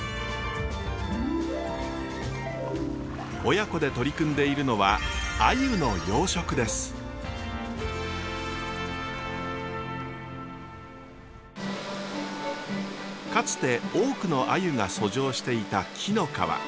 親子で取り組んでいるのはかつて多くのあゆが遡上していた紀の川。